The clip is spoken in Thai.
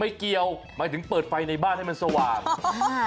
ไม่เกี่ยวหมายถึงเปิดไฟในบ้านให้มันสว่างอ่า